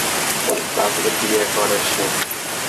তাকে বিয়ে করে সে।